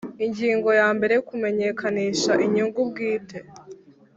Ingingo ya mbere Kumenyekanisha inyungu bwite